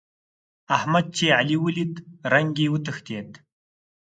احمد چې علي وليد؛ رنګ يې وتښتېد.